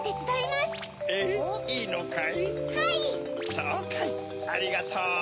そうかいありがとう。